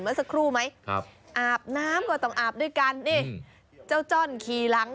เมื่อสักครู่ไหมครับอาบน้ำก็ต้องอาบด้วยกันนี่เจ้าจ้อนขี่หลัง